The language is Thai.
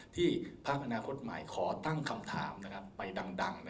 ภาคอนาคตใหม่ขอตั้งคำถามไปดัง